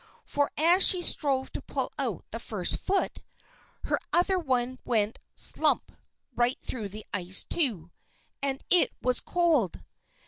For as she strove to pull out the first foot, her other one went slump right through the ice, too. And it was cold!